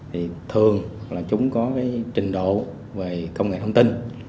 thì thường là chúng có cái trình độ về công nghệ thông tin